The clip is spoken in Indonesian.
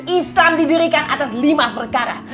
islam didirikan atas lima perkara